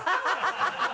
ハハハ